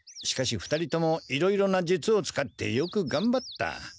しかし２人ともいろいろな術を使ってよくがんばった。